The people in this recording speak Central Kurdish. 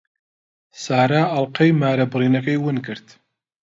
سارا ئەڵقەی مارەبڕینەکەی ون کرد.